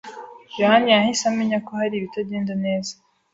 Yohani yahise amenya ko hari ibitagenda neza.